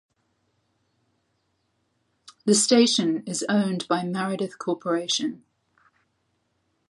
The station is owned by Meredith Corporation.